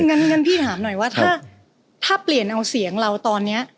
งั้นพี่ถามหน่อยว่าถ้าเปลี่ยนเอาเสียงเราตอนนี้